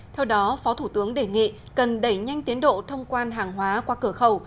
theo đó phó thủ tướng đề nghị cần đẩy nhanh tiến độ thông quan hàng hóa qua cửa khẩu